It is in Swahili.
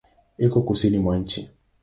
Iko Kusini mwa nchi.